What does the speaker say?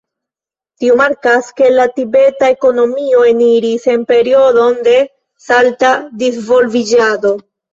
Tio markas, ke la tibeta ekonomio eniris en periodon de salta disvolviĝado.